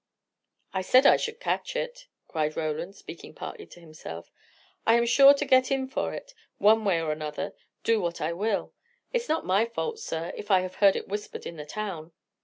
"I said I should catch it!" cried Roland, speaking partly to himself. "I am sure to get in for it, one way or another, do what I will. It's not my fault, sir, if I have heard it whispered in the town."